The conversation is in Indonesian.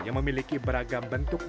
yang memiliki beragam bentuk dan kualitas